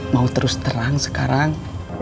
mau terus terang sekarang